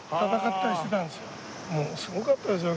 もうすごかったですよ